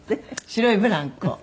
白いブランコ。